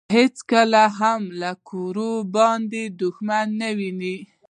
هیڅکله هم له کوره دباندې دښمن نه وينو.